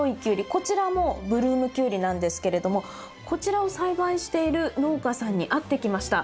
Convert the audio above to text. こちらもブルームキュウリなんですけれどもこちらを栽培している農家さんに会ってきました。